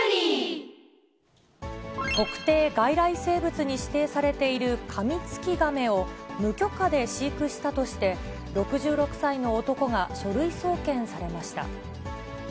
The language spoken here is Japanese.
特定外来生物に指定されているカミツキガメを、無許可で飼育したとして、６６歳の男が書類送検されました。